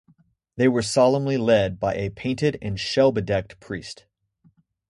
They were solemnly led by a painted and shell-bedecked priest.